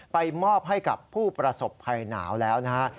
ไปมอบให้กับผู้ประสบภัยหนาวแล้วนะฮะ